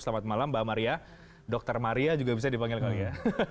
selamat malam mbak maria dr maria juga bisa dipanggil kali ya